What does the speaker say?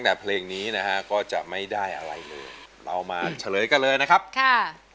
โทษใจโทษใจโทษใจโทษใจโทษใจ